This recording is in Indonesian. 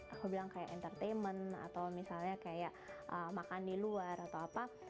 aku bilang kayak entertainment atau misalnya kayak makan di luar atau apa